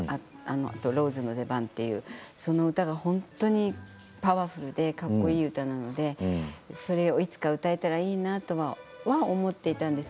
ローズの出番というその歌がパワフルでかっこいい歌なのでそれがいつか歌えたらいいなと思っていたんです。